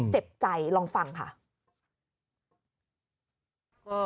เจ็บใจลองฟังค่ะ